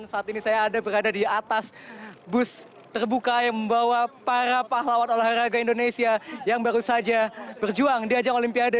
saat ini saya ada berada di atas bus terbuka yang membawa para pahlawan olahraga indonesia yang baru saja berjuang di ajang olimpiade